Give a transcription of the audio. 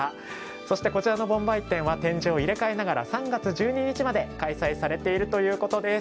そして、こちらの盆梅展は展示を入れ替えながら３月１２日まで開催されているということです。